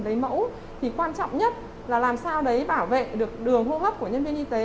lấy mẫu thì quan trọng nhất là làm sao đấy bảo vệ được đường hô hấp của nhân viên y tế